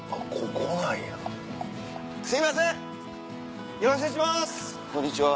こんにちは。